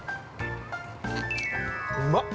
◆うまっ。